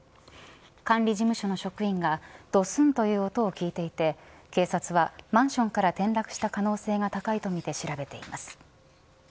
管理事務所の職員がどすん、という音を聴いていて警察はマンションから転落した可能性が高いとみて調べています。